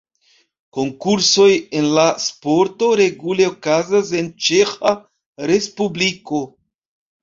Konkursoj en la sporto regule okazas en Ĉeĥa respubliko.